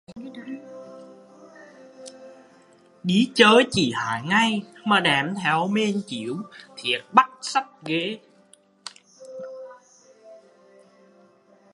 Đi chơi chỉ hai ngày mà đem theo mền chiếu, thiệt bách xách ghê